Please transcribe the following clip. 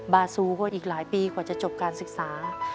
บาซูก็อีกหลายปีกว่าจะจบการศึกษา